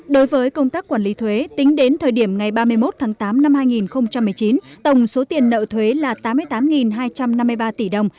đối với công tác quản lý thuế tính đến thời điểm ngày ba mươi một tháng tám năm hai nghìn một mươi chín tổng số tiền nợ thuế là tám mươi tám hai trăm năm mươi ba tỷ đồng